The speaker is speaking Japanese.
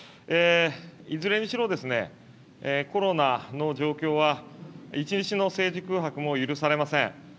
いずれにしろ、コロナの状況は一日の政治空白も許されません。